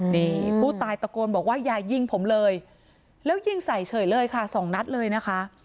นี่ผู้ตายตะโกนบอกว่าอย่ายิงผมเลยแล้วยิงใส่เฉยเลยค่ะสองนัดเลยนะคะ